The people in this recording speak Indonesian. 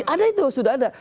ada itu sudah ada